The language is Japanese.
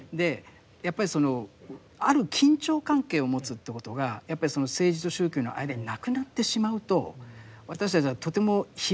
やっぱりそのある緊張関係を持つということがやっぱり政治と宗教の間になくなってしまうと私たちはとても悲劇的な出来事を